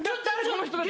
この人たち。